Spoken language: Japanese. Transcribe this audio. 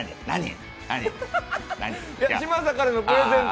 何？